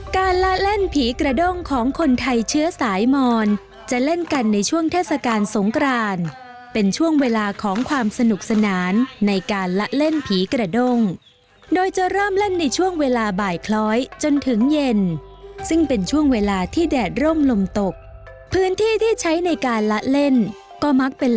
การละเล่นผีกระด้งของคนไทยเชื้อสายมอนจะเล่นกันในช่วงเทศกาลสงกรานเป็นช่วงเวลาของความสนุกสนานในการละเล่นผีกระด้งโดยจะเริ่มเล่นในช่วงเวลาบ่ายคล้อยจนถึงเย็นซึ่งเป็นช่วงเวลาที่แดดร่มลมตกพื้นที่ที่ใช้ในการละเล่นก็มักเป็น